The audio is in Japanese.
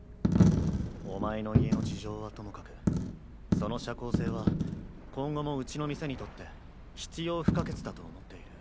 お前の家の事情はともかくその社交性は今後もうちの店にとって必要不可欠だと思っている。